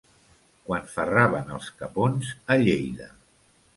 Quan ferraven els capons a Lleida.